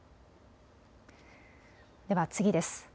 では、次です。